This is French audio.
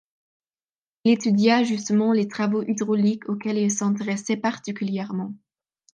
Il étudia justement les travaux hydrauliques auxquels il s'intéressait particulièrement.